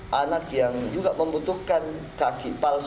karena hari itu juga kita mengukur dua belas anak penyandang disabilitas